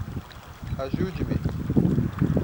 Ajude-me!